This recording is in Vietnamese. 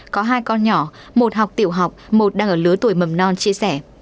có hai con nhỏ một học tiểu học một đang ở lứa tuổi mầm non chia sẻ